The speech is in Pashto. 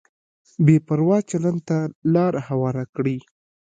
بې پروا چلند ته لار هواره کړي.